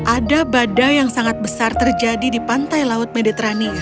ada badai yang sangat besar terjadi di pantai laut medetrani